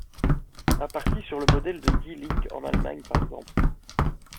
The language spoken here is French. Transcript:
Un parti sur le modèle de Die Linke en Allemagne, par exemple.